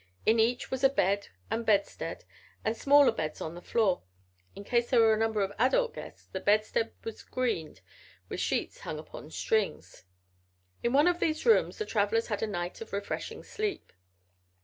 In each was a bed and bedstead and smaller beds on the floor. In case there were a number of adult guests the bedstead was screened with sheets hung upon strings. In one of these rooms the travelers had a night of refreshing sleep.